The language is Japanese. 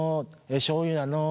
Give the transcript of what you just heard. しょうゆなの？